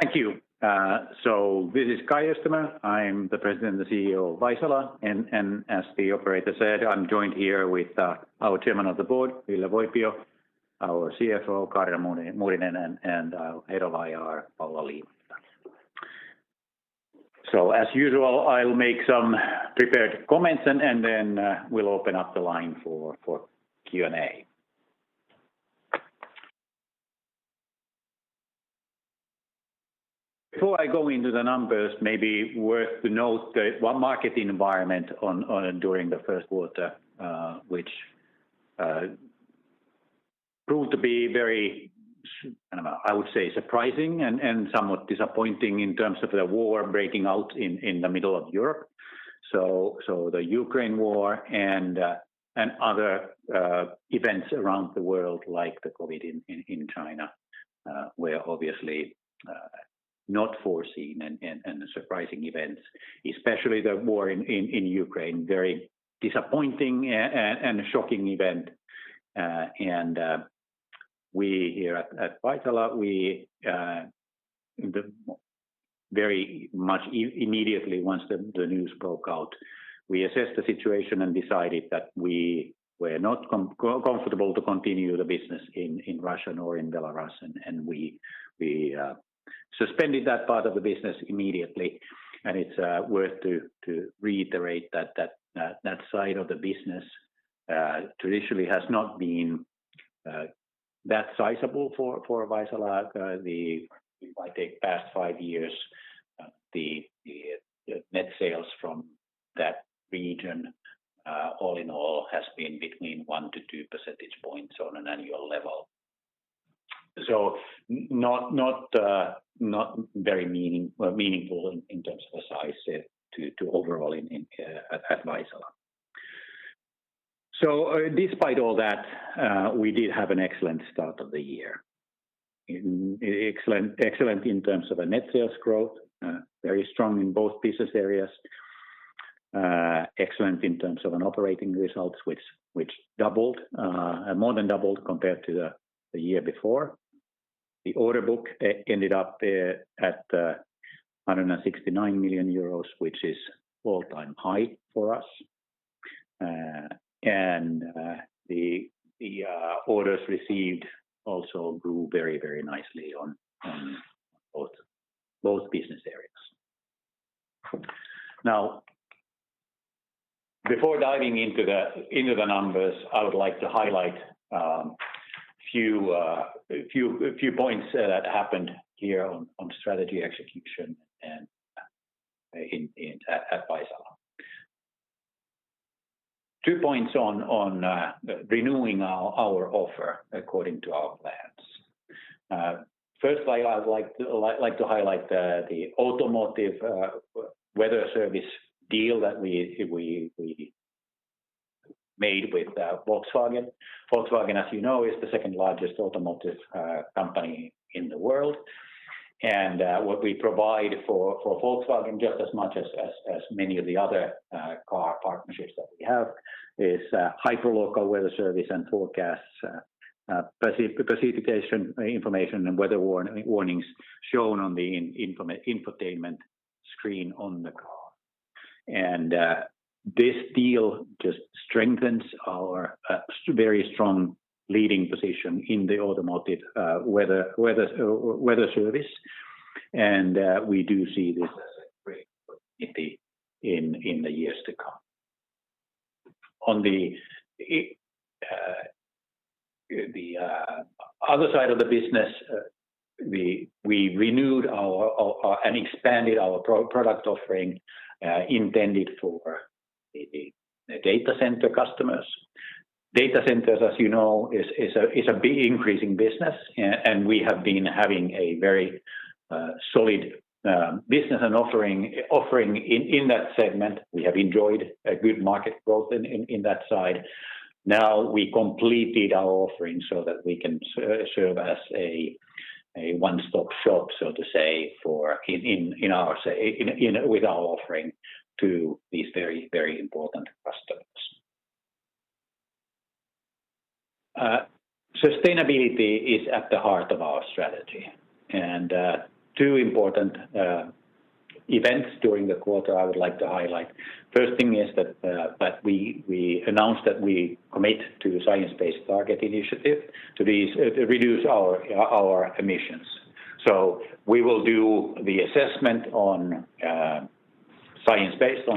Thank you. This is Kai Öistämö. I'm the president and CEO of Vaisala. As the operator said, I'm joined here with our chairman of the board, Ville Voipio, our CFO, Kaarina Muurinen, and our Head of IR, Paula Liimatta. As usual, I'll make some prepared comments and then we'll open up the line for Q&A. Before I go into the numbers, maybe worth noting what market environment during the Q1, which proved to be very surprising and somewhat disappointing in terms of the war breaking out in the middle of Europe. The Ukraine war and other events around the world like the COVID in China were obviously not foreseen and surprising events, especially the war in Ukraine, very disappointing and shocking event. We here at Vaisala very much immediately once the news broke out assessed the situation and decided that we were not comfortable to continue the business in Russia nor in Belarus. We suspended that part of the business immediately. It's worth to reiterate that side of the business traditionally has not been that sizable for Vaisala. If I take past five years, the net sales from that region all in all has been between one-two percentage points on an annual level. Not very meaningful in terms of the size to overall in at Vaisala. Despite all that, we did have an excellent start of the year. Excellent in terms of a net sales growth, very strong in both business areas. Excellent in terms of an operating results which doubled, more than doubled compared to the year before. The order book ended up at 169 million euros, which is all-time high for us. The orders received also grew very nicely on both business areas. Before diving into the numbers, I would like to highlight a few points that happened here on strategy execution and at Vaisala. Two points on renewing our offer according to our plans. Firstly, I would like to highlight the automotive weather service deal that we made with Volkswagen. Volkswagen, as you know, is the second largest automotive company in the world. What we provide for Volkswagen just as much as many of the other car partnerships that we have is hyperlocal weather service and forecasts, precipitation information and weather warnings shown on the infotainment screen on the car. This deal just strengthens our very strong leading position in the automotive weather service. We do see this growing in the years to come. On the other side of the business, we renewed our and expanded our product offering intended for the data center customers. Data centers, as you know, is a big increasing business and we have been having a very solid business and offering in that segment. We have enjoyed a good market growth in that side. Now, we completed our offering so that we can serve as a one-stop shop, so to say, for in our in with our offering to these very important customers. Sustainability is at the heart of our strategy. Two important events during the quarter I would like to highlight. First thing is that we announced that we commit to the Science Based Targets initiative to reduce our emissions. We will do the assessment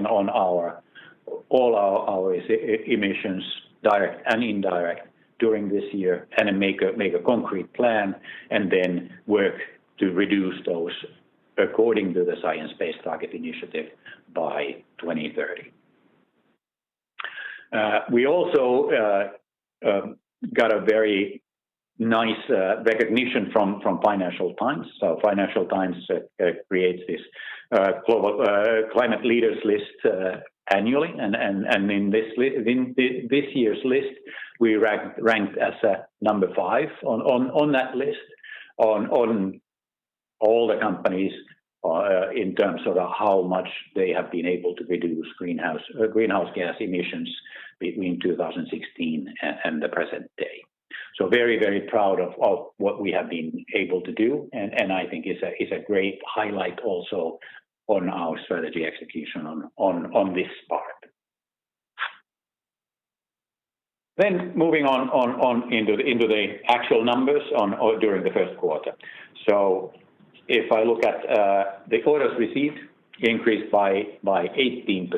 on all our emissions, direct and indirect, during this year and make a concrete plan and then work to reduce those according to the Science Based Targets initiative by 2030. We also got a very nice recognition from Financial Times. Financial Times creates this global Climate Leaders list annually. In this year's list, we ranked as number five on that list. All the companies are in terms of how much they have been able to reduce greenhouse gas emissions between 2016 and the present day. Very proud of what we have been able to do and I think it's a great highlight also on our strategy execution on this part. Moving into the actual numbers during the Q1. If I look at the orders received increased by 18%,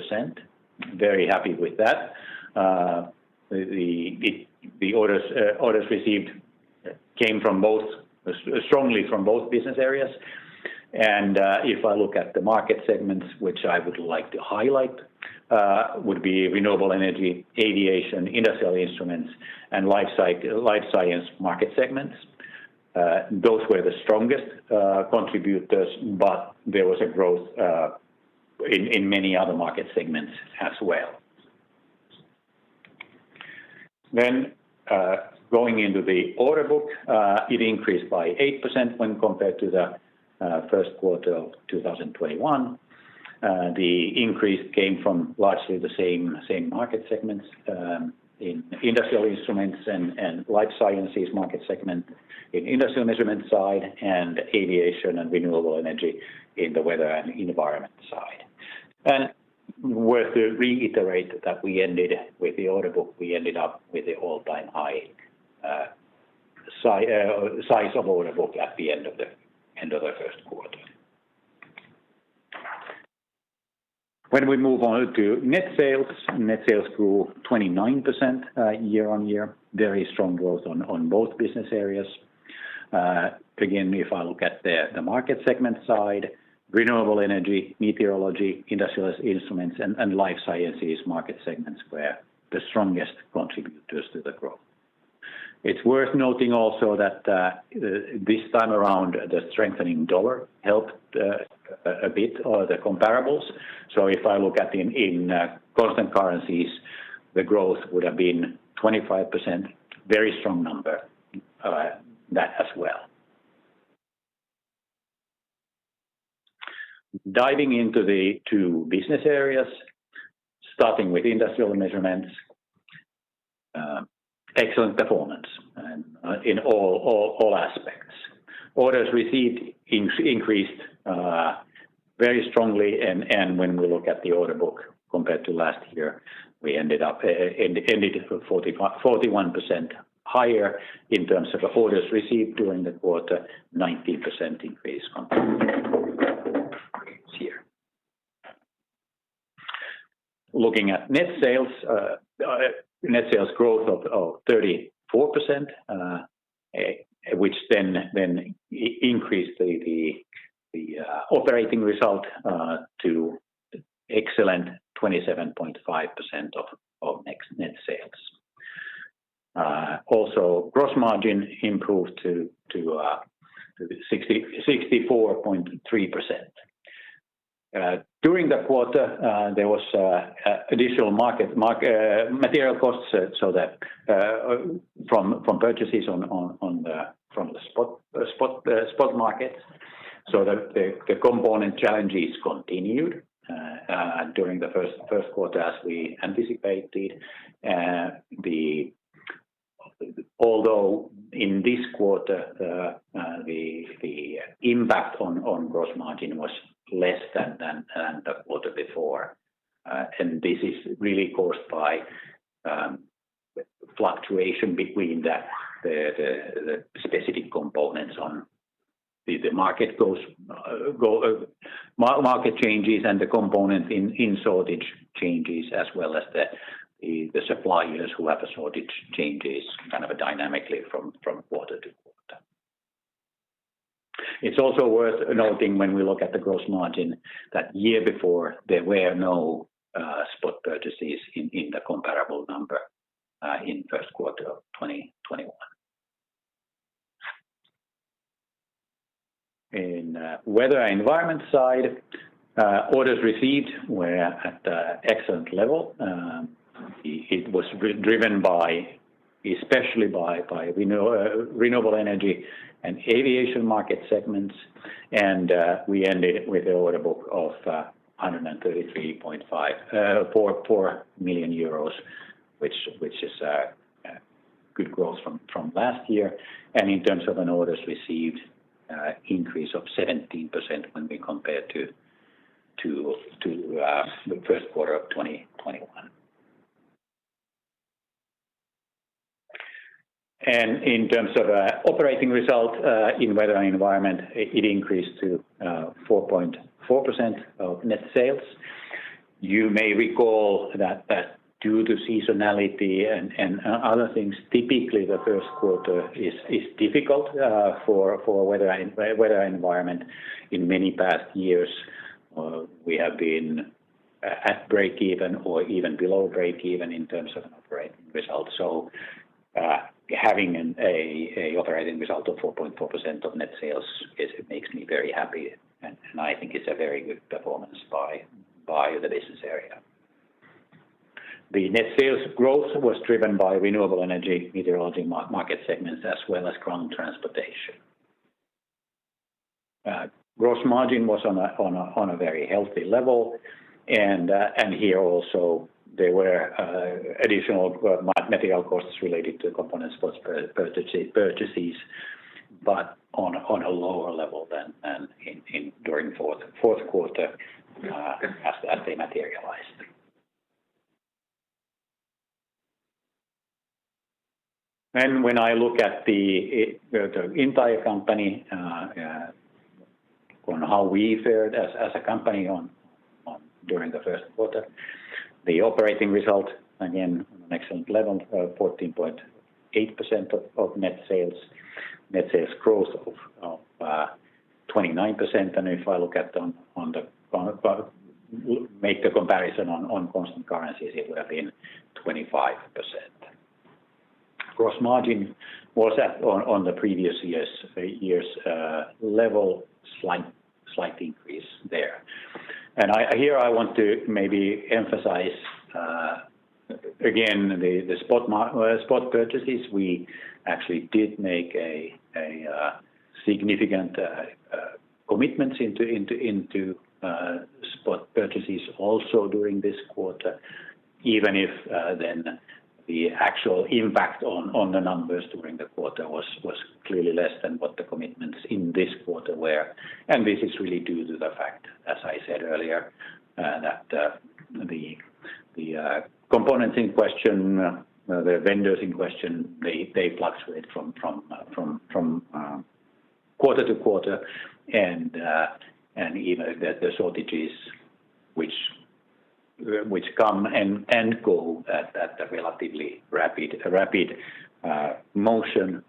very happy with that. The orders received came strongly from both business areas. If I look at the market segments, which I would like to highlight, would be renewable energy, aviation, industrial measurements, and life science market segments. Those were the strongest contributors, but there was a growth in many other market segments as well. Going into the order book, it increased by 8% when compared to the Q1 of 2021. The increase came from largely the same market segments in industrial measurements and life science market segment in industrial measurement side and aviation and renewable energy in the weather and environment side. Worth to reiterate that we ended with the order book, we ended up with the all-time high size of order book at the end of the Q1. When we move on to net sales, net sales grew 29%, year-on-year. Very strong growth on both business areas. Again, if I look at the market segment side, renewable energy, meteorology, industrial instruments, and life sciences market segments were the strongest contributors to the growth. It's worth noting also that this time around, the strengthening dollar helped a bit or the comparables. If I look at in constant currencies, the growth would have been 25%. Very strong number that as well. Diving into the two business areas, starting with Industrial Measurements, excellent performance in all aspects. Orders received increased very strongly, and when we look at the order book compared to last year, we ended up. Ended 41% higher in terms of orders received during the quarter, 19% increase compared to last year. Looking at net sales, net sales growth of 34%, which then increased the operating result to excellent 27.5% of net sales. Also, gross margin improved to 64.3%. During the quarter, there was additional material costs from purchases on the spot market. The component challenges continued during the first quarter as we anticipated. Although in this quarter, the impact on gross margin was less than the quarter before, and this is really caused by fluctuation between the specific components on the market changes and the component in shortage changes as well as the suppliers who have a shortage changes kind of dynamically from quarter to quarter. It's also worth noting when we look at the gross margin that year before, there were no spot purchases in the comparable number in Q1 of 2021. In Weather and Environment side, orders received were at an excellent level. It was driven by, especially by renewable energy and aviation market segments. We ended with an order book of 133.5 million euros, which is good growth from last year. In terms of orders received increase of 17% when we compare to theQ1 of 2021. In terms of operating result in Weather and Environment, it increased to 4.4% of net sales. You may recall that due to seasonality and other things, typically the Q1 is difficult for Weather and Environment. In many past years, we have been at breakeven or even below breakeven in terms of operating results. Having an operating result of 4.4% of net sales is. It makes me very happy, and I think it's a very good performance by the business area. The net sales growth was driven by renewable energy, meteorology market segments, as well as ground transportation. Gross margin was on a very healthy level, and here also there were additional material costs related to components purchases, but on a lower level than during Q4, as they materialized. When I look at the entire company on how we fared as a company during the Q1, the operating result, again, an excellent level, 14.8% of net sales. Net sales growth of 29%. If I make the comparison on constant currencies, it would have been 25%. Gross margin was at the previous year's level, slight increase there. Here I want to maybe emphasize again the spot purchases. We actually did make a significant commitments into spot purchases also during this quarter, even if then the actual impact on the numbers during the quarter was clearly less than what the commitments in this quarter were. This is really due to the fact, as I said earlier, that the components in question, the vendors in question, they fluctuate from quarter to quarter, and even the shortages which come and go at a relatively rapid motion,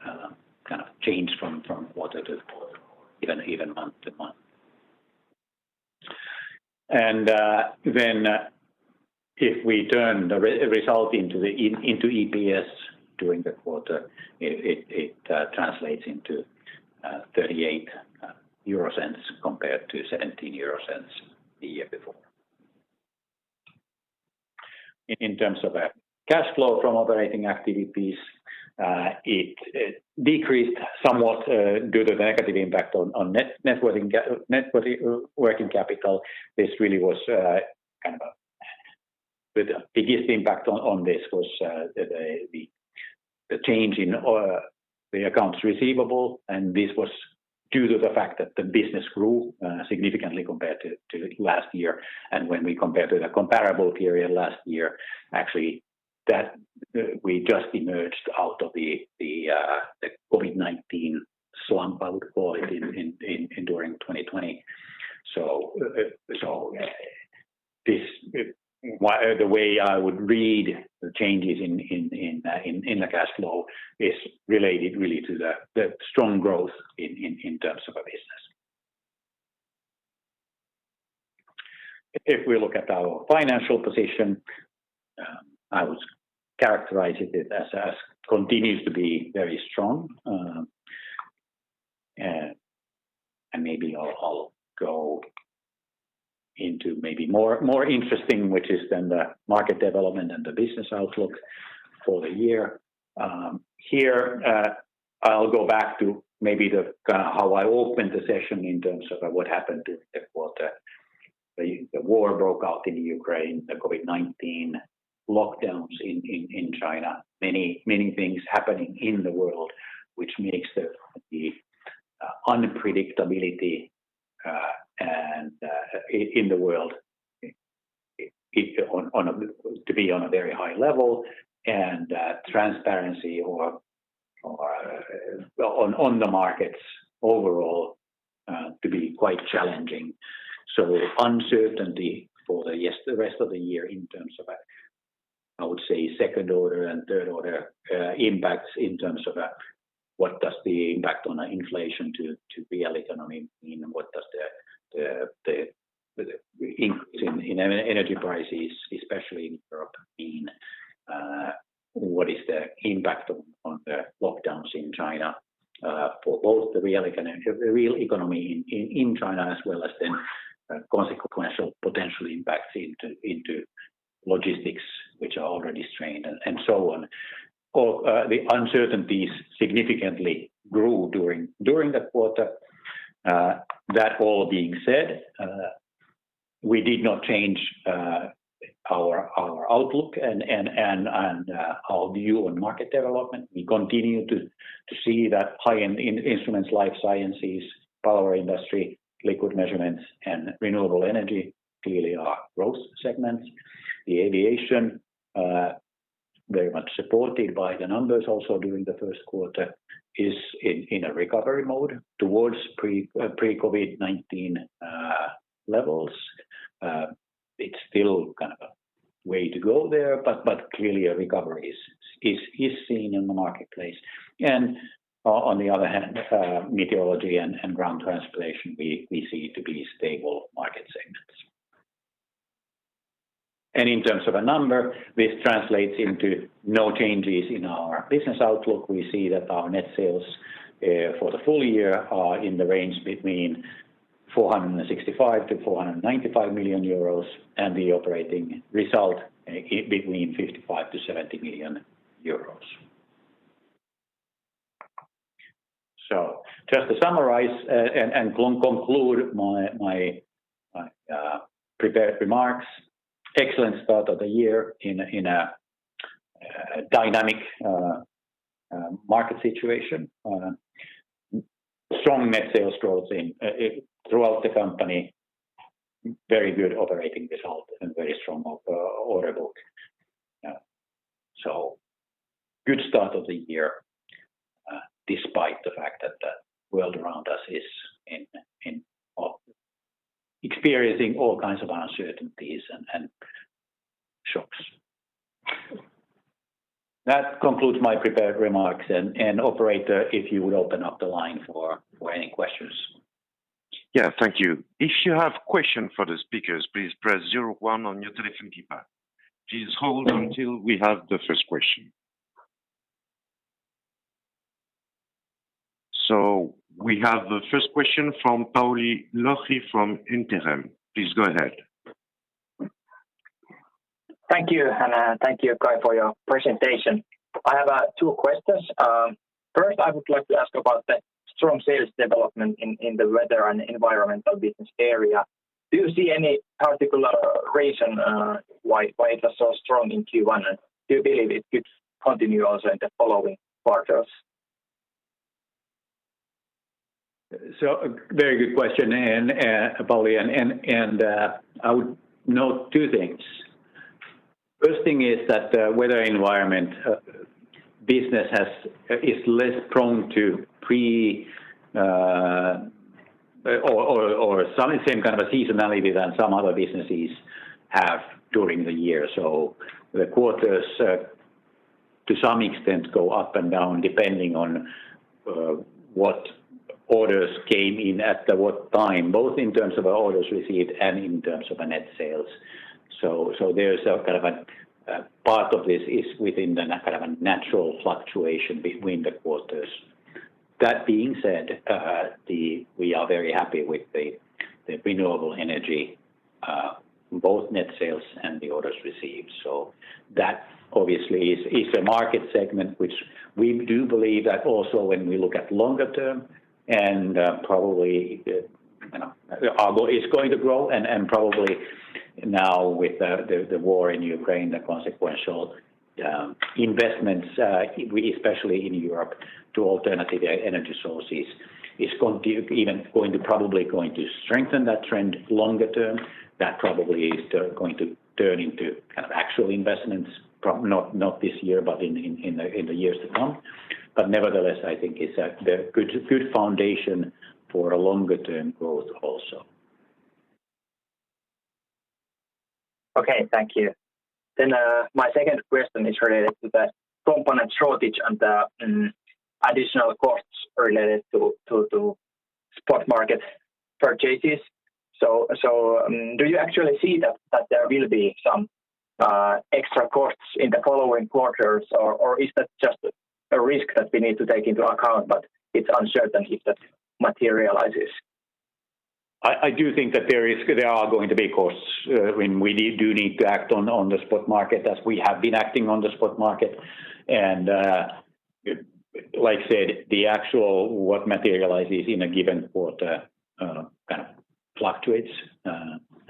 kind of change from quarter to quarter or even month to month. Then if we turn the result into EPS during the quarter, it translates into 0.38 compared to 0.17 the year before. In terms of cash flow from operating activities, it decreased somewhat due to the negative impact on net working capital. This really was kind of a The biggest impact on this was the change in the accounts receivable, and this was due to the fact that the business grew significantly compared to last year. When we compare to the comparable period last year, actually that we just emerged out of the COVID-19 slump, I would call it, during 2020. The way I would read the changes in the cash flow is related really to the strong growth in terms of our business. If we look at our financial position, I would characterize it as continues to be very strong. Maybe I'll go into more interesting, which is then the market development and the business outlook for the year. Here, I'll go back to maybe the how I opened the session in terms of what happened in the quarter. The war broke out in Ukraine, the COVID-19 lockdowns in China, many things happening in the world, which makes the unpredictability in the world to be on a very high level and transparency on the markets overall to be quite challenging. Uncertainty for the rest of the year in terms of I would say second order and third order impacts in terms of what does the impact on inflation to real economy mean? What does the increase in energy prices, especially in Europe, mean? What is the impact on the lockdowns in China for both the real economy in China as well as then consequential potential impacts into logistics which are already strained and so on? All the uncertainties significantly grew during the quarter. That all being said, we did not change our outlook and our view on market development. We continue to see that high-end instruments, life sciences, power industry, liquid measurements, and renewable energy clearly are growth segments. The aviation very much supported by the numbers also during the first quarter is in a recovery mode towards pre-COVID-19 levels. It's still kind of a way to go there, but clearly a recovery is seen in the marketplace. On the other hand, meteorology and ground transportation we see to be stable market segments. In terms of a number, this translates into no changes in our business outlook. We see that our net sales for the full year are in the range of 465 million-495 million euros, and the operating result between 55 million-70 million euros. Just to summarize and conclude my prepared remarks, excellent start of the year in a dynamic market situation. Strong net sales growth throughout the company. Very good operating result and very strong order book. Good start of the year despite the fact that the world around us is experiencing all kinds of uncertainties and shocks. That concludes my prepared remarks. Operator, if you would open up the line for any questions? Yeah, thank you. If you have question for the speakers, please press zero-one on your telephone keypad. Please hold until we have the first question. We have the first question from Pauli Lohi from Inderes. Please go ahead. Thank you, and thank you Kai for your presentation. I have two questions. First I would like to ask about the strong sales development in the Weather and Environment business area. Do you see any particular reason why it was so strong in Q1, and do you believe it could continue also in the following quarters? Very good question, Pauli. I would note two things. First thing is that Weather Environment business is less prone to some of the same kind of a seasonality than some other businesses have during the year. The quarters to some extent go up and down depending on what orders came in at what time, both in terms of orders received and in terms of the net sales. There is a kind of a part of this is within the kind of a natural fluctuation between the quarters. That being said, we are very happy with the Renewable Energy both net sales and the orders received. That obviously is a market segment which we do believe that also when we look at longer term and probably, you know, it's going to grow and probably now with the war in Ukraine, the consequential investments especially in Europe to alternative energy sources is going to strengthen that trend longer term. That probably is going to turn into kind of actual investments, probably not this year, but in the years to come. Nevertheless, I think it's a good foundation for a longer term growth also. Okay. Thank you. My second question is related to the component shortage and the additional costs related to spot market purchases. Do you actually see that there will be some extra costs in the following quarters or is that just a risk that we need to take into account but it's uncertain if that materializes? I do think that there are going to be costs when we do need to act on the spot market as we have been acting on the spot market. Like I said, the actual what materializes in a given quarter kind of fluctuates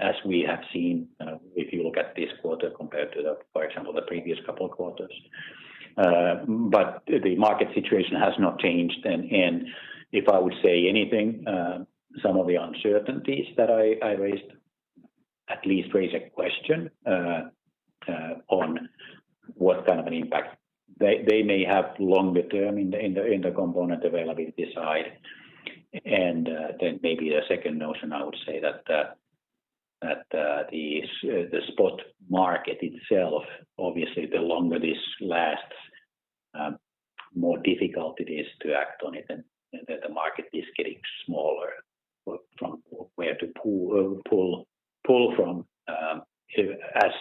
as we have seen if you look at this quarter compared to, for example, the previous couple of quarters. The market situation has not changed. If I would say anything, some of the uncertainties that I raised at least raise a question on what kind of an impact they may have longer term in the component availability side. Then maybe the second notion I would say that the spot market itself, obviously the longer this lasts, more difficult it is to act on it and the market is getting smaller from where to pull from as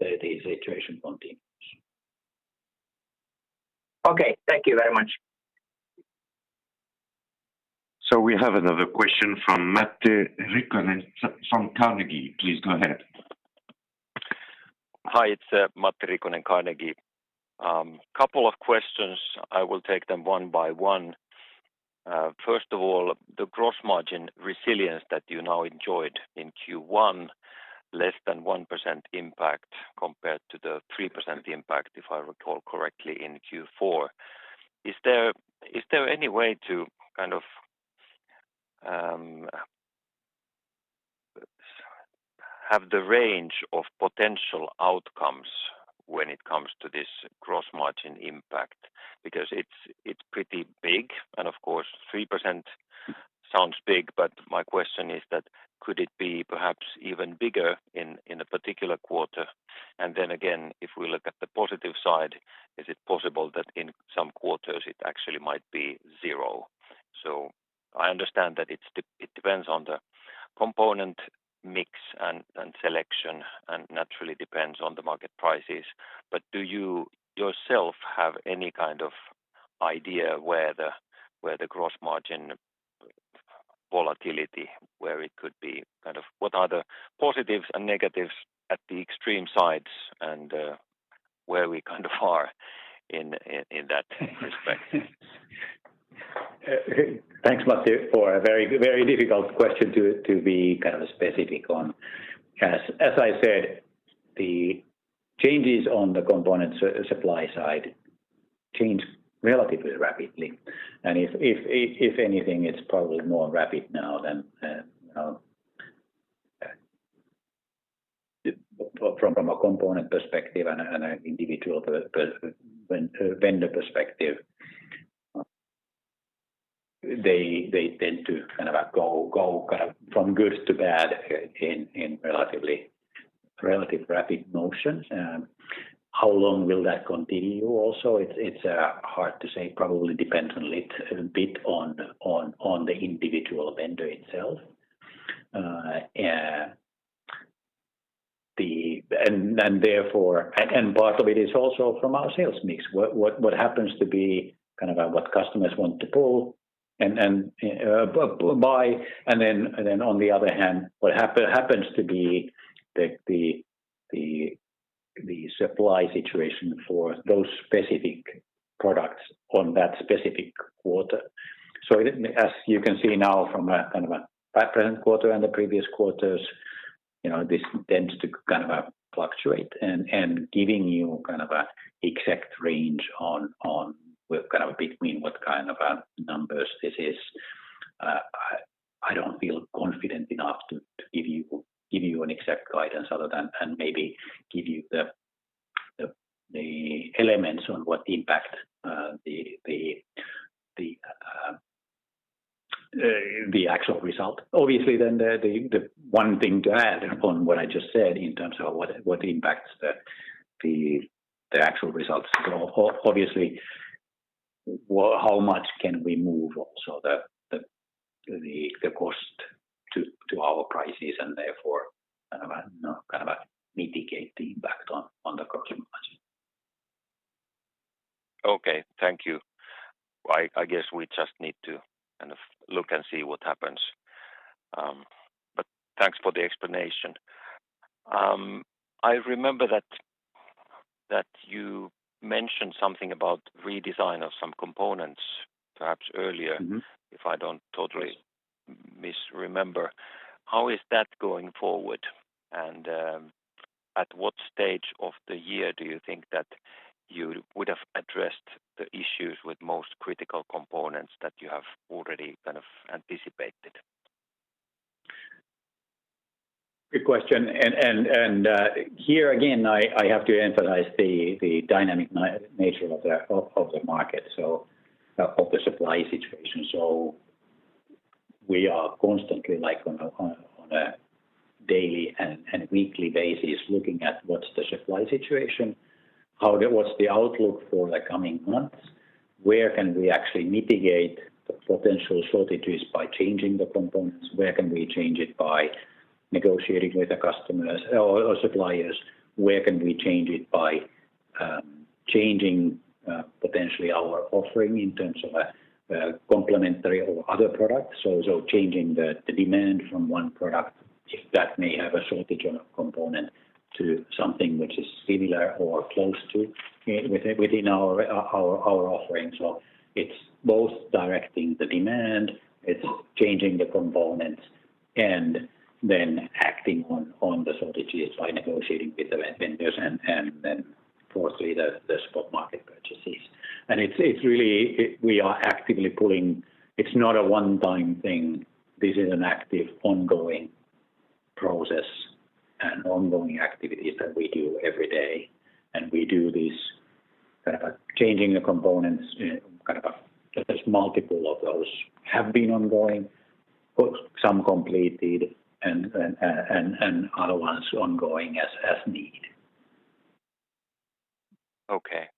the situation continues. Okay. Thank you very much. We have another question from Matti Riikonen from Carnegie. Please go ahead. Hi, it's Matti Riikonen, Carnegie. Couple of questions. I will take them one by one. First of all, the gross margin resilience that you now enjoyed in Q1, less than 1% impact compared to the 3% impact, if I recall correctly, in Q4. Is there any way to kind of have the range of potential outcomes when it comes to this gross margin impact? Because it's pretty big, and of course 3% sounds big, but my question is that could it be perhaps even bigger in a particular quarter? Then again, if we look at the positive side, is it possible that in some quarters it actually might be zero? I understand that it depends on the component mix and selection, and naturally depends on the market prices. Do you yourself have any kind of idea where the gross margin volatility, where it could be kind of what are the positives and negatives at the extreme sides and, where we kind of are in that respect? Thanks Matti for a very difficult question to be kind of specific on. As I said, the changes on the component supply side change relatively rapidly and if anything, it's probably more rapid now than from a component perspective and an individual per-vendor perspective. They tend to kind of go from good to bad in relatively rapid motion. How long will that continue also? It's hard to say. Probably depends a bit on the individual vendor itself. And part of it is also from our sales mix. What happens to be kind of what customers want to pull and buy. On the other hand, what happens to be the supply situation for those specific products on that specific quarter. As you can see now from a kind of present quarter and the previous quarters, you know, this tends to kind of fluctuate and giving you kind of an exact range on kind of between what kind of numbers this is, I don't feel confident enough to give you an exact guidance other than maybe give you the actual result. Obviously the one thing to add upon what I just said in terms of what impacts the actual results obviously. Well, how much can we move also the cost to our prices and therefore kind of mitigate the impact on the gross margin. Okay. Thank you. I guess we just need to kind of look and see what happens. Thanks for the explanation. I remember that you mentioned something about redesign of some components perhaps earlier. Mm-hmm If I don't totally misremember. How is that going forward? At what stage of the year do you think that you would've addressed the issues with most critical components that you have already kind of anticipated? Good question. Here again, I have to emphasize the dynamic nature of the market, of the supply situation. We are constantly like on a daily and weekly basis looking at what's the supply situation, what's the outlook for the coming months, where can we actually mitigate the potential shortages by changing the components, where can we change it by negotiating with the customers or suppliers, where can we change it by changing potentially our offering in terms of complementary or other products, so changing the demand from one product if that may have a shortage of component to something which is similar or close to it within our offering. It's both directing the demand, it's changing the components and then acting on the shortages by negotiating with the vendors and then fourthly, the spot market purchases. It's really. We are actively pulling. It's not a one-time thing. This is an active ongoing process and ongoing activities that we do every day. We do this, changing the components. There's multiple of those have been ongoing, some completed and other ones ongoing as need. Okay.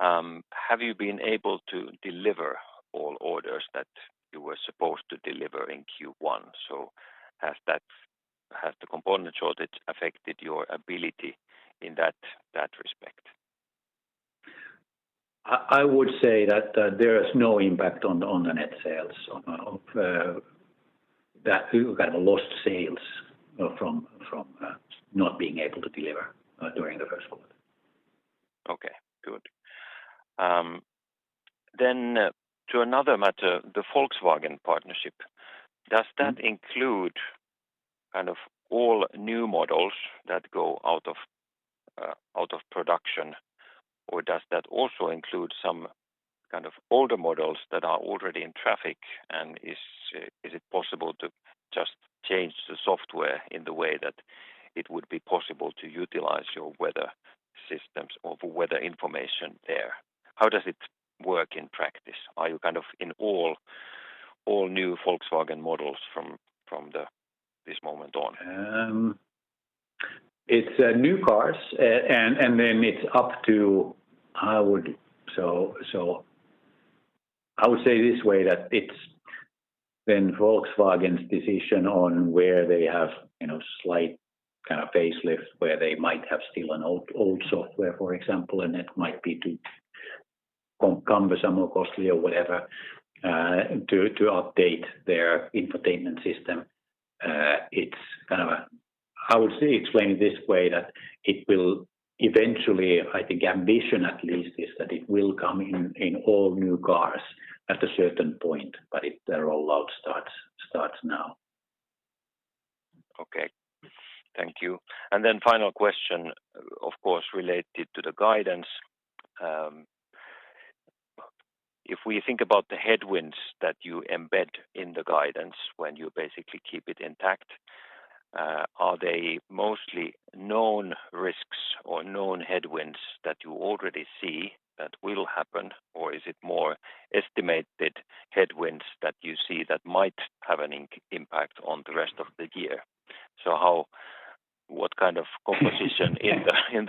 Have you been able to deliver all orders that you were supposed to deliver in Q1? Has the component shortage affected your ability in that respect? I would say that there is no impact on the net sales of that we kind of lost sales, you know, from not being able to deliver during the Q1. Okay. Good. To another matter, the Volkswagen partnership. Mm-hmm. Does that include kind of all new models that go out of production, or does that also include some kind of older models that are already in traffic and is it possible to just change the software in the way that it would be possible to utilize your weather systems or weather information there? How does it work in practice? Are you kind of in all new Volkswagen models from this moment on? It's new cars and then it's up to. I would say it this way that it's then Volkswagen Group's decision on where they have, you know, slight kind of facelift, where they might have still an old software, for example, and it might be too cumbersome or costly or whatever to update their infotainment system. I would say, explain this way that it will eventually, I think ambition at least is that it will come in all new cars at a certain point, but their rollout starts now. Okay. Thank you. Final question, of course, related to the guidance. If we think about the headwinds that you embed in the guidance when you basically keep it intact, are they mostly known risks or known headwinds that you already see that will happen? Or is it more estimated headwinds that you see that might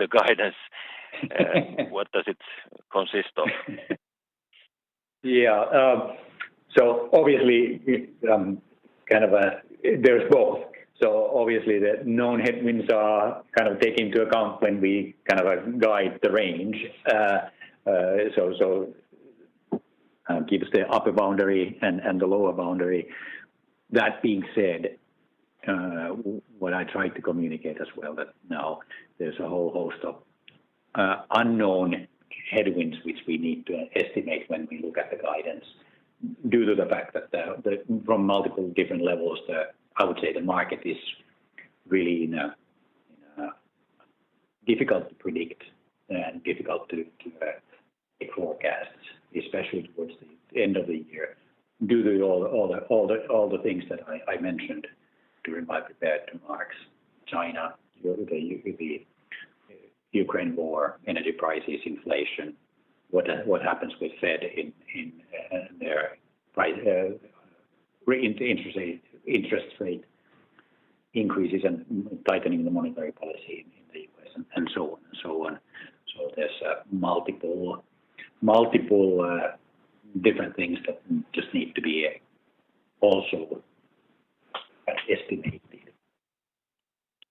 have an impact on the rest of the year? What kind of composition in the guidance? What does it consist of? Obviously, there's both. Obviously the known headwinds are kind of taken into account when we kind of like guide the range. It gives the upper boundary and the lower boundary. That being said, what I tried to communicate as well that now there's a whole host of unknown headwinds which we need to estimate when we look at the guidance due to the fact that from multiple different levels. I would say the market is really in a difficult to predict and difficult to make forecasts, especially towards the end of the year due to all the things that I mentioned during my prepared remarks, China, the U.K., Ukraine war, energy prices, inflation, what happens with the Fed in their interest rate increases and tightening the monetary policy in the U.S. and so on. There's multiple different things that just need to be also estimated.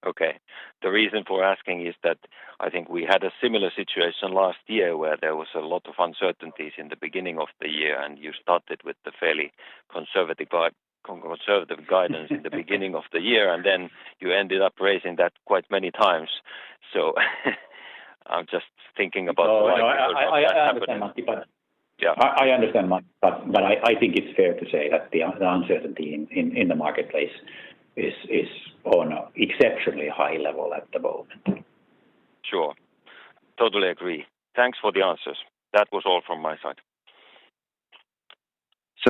Okay. The reason for asking is that I think we had a similar situation last year where there was a lot of uncertainties in the beginning of the year, and you started with the fairly conservative guidance in the beginning of the year, and then you ended up raising that quite many times. I'm just thinking about why- No, I understand, Matti, but. Yeah. I understand, Matti, but I think it's fair to say that the uncertainty in the marketplace is on an exceptionally high level at the moment. Sure. Totally agree. Thanks for the answers. That was all from my side.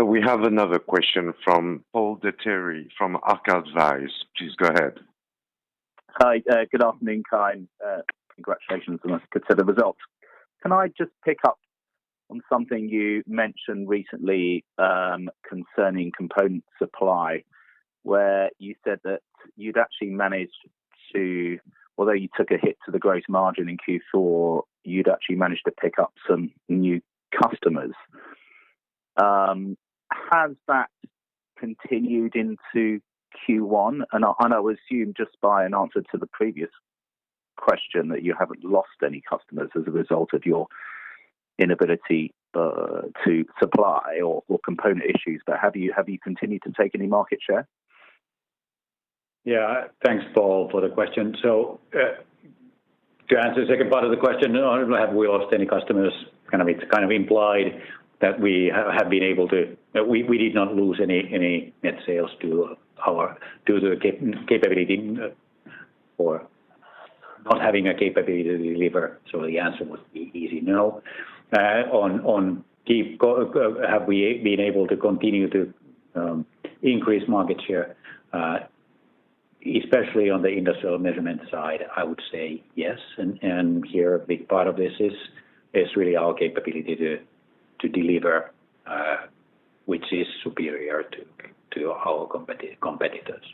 We have another question from Paul Dettieri from Ark Investment. Please go ahead. Hi. Good afternoon, Kai. Congratulations on the consolidated results. Can I just pick up on something you mentioned recently concerning component supply, where you said that although you took a hit to the gross margin in Q4, you'd actually managed to pick up some new customers. Has that continued into Q1? I assume just by an answer to the previous question that you haven't lost any customers as a result of your inability to supply or component issues. Have you continued to take any market share? Yeah. Thanks, Paula, for the question. To answer the second part of the question, no, I don't know, have we lost any customers? It's kind of implied that we have been able to. We did not lose any net sales due to capability or not having a capability to deliver, so the answer would be easy no. On keeping, have we been able to continue to increase market share, especially on the Industrial Measurements side, I would say yes. Here a big part of this is really our capability to deliver, which is superior to our competitors,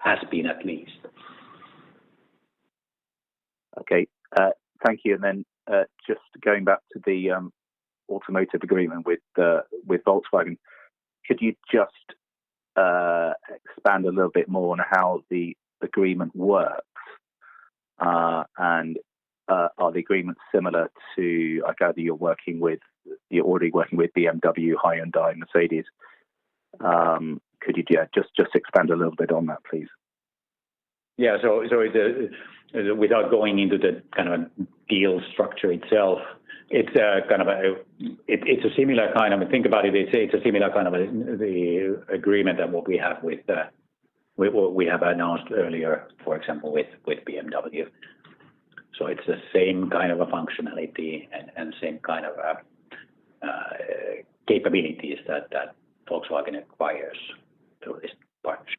has been at least. Okay. Thank you. Then, just going back to the automotive agreement with Volkswagen, could you just expand a little bit more on how the agreement works? Are the agreements similar to, I gather you're working with, you're already working with BMW, Hyundai, and Mercedes. Could you just expand a little bit on that, please? Without going into the kind of deal structure itself, it's a similar kind. I mean, think about it's a similar kind of agreement than what we have with what we have announced earlier, for example, with BMW. It's the same kind of functionality and same kind of capabilities that Volkswagen acquires through this partnership.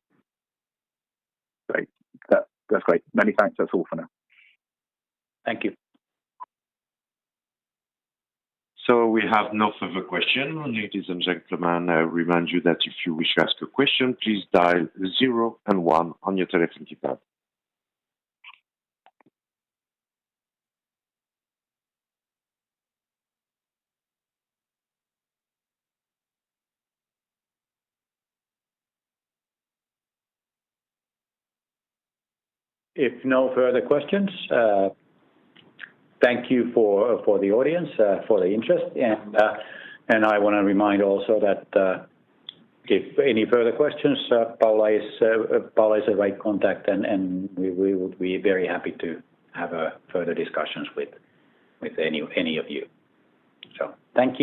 Great. That's great. Many thanks. That's all for now. Thank you. We have no further question. Ladies and gentlemen, I remind you that if you wish to ask a question, please dial zero and one on your telephone keypad. If no further questions, thank you for the audience for the interest. I wanna remind also that if any further questions, Paula is the right contact, and we would be very happy to have further discussions with any of you. Thank you.